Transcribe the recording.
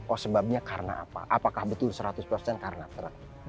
oh sebabnya karena apa apakah betul seratus persen karena truk